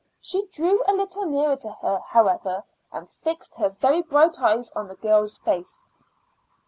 She drew a little nearer to her, however, and fixed her very bright eyes on the girl's face."